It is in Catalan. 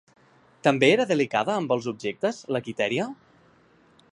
També era delicada amb els objectes, la Quitèria?